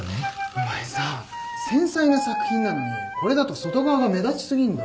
お前さ繊細な作品なのにこれだと外側が目立ち過ぎんだろ。